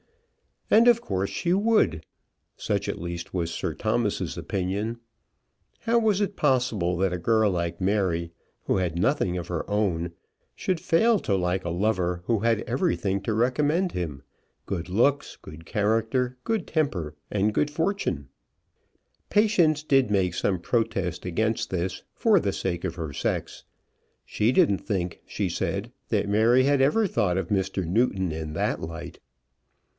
And of course she would. Such at least was Sir Thomas's opinion. How was it possible that a girl like Mary, who had nothing of her own, should fail to like a lover who had everything to recommend him, good looks, good character, good temper, and good fortune. Patience did make some protest against this, for the sake of her sex. She didn't think, she said, that Mary had ever thought of Mr. Newton in that light.